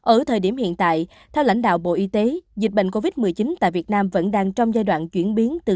ở thời điểm hiện tại theo lãnh đạo bộ y tế dịch bệnh covid một mươi chín tại việt nam vẫn đang trong giai đoạn chuyển biến từ